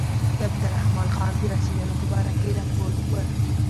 د عبدالرحمن خان د رسېدلو په باره کې رپوټ و.